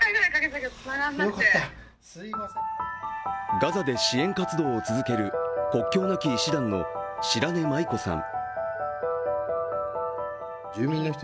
ガザで支援活動を続ける国境なき医師団の白根麻衣子さん。